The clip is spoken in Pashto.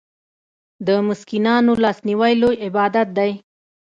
د مسکینانو لاسنیوی لوی عبادت دی.